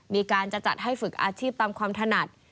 มีการจะจัดให้ฝึกอาชีพตามความถนัด